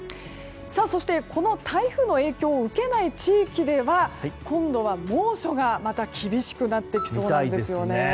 そして、この台風の影響を受けない地域では今度は猛暑がまた厳しくなってきそうです。